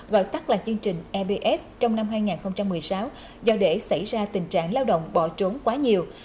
gọi tắt là chương trình ebs trong năm hai nghìn một mươi sáu do để xảy ra tình trạng lao động bỏ trốn quá nhiều